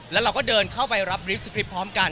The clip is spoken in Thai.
แล้วเราก็เดินเข้าไปรับรีส์สคริปต์พร้อมกัน